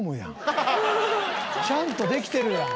ちゃんとできてるやん。